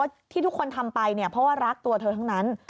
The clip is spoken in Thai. ที่ทุกคนทำไปเนี่ยเพราะว่ารักตัวเธอทั้งนั้น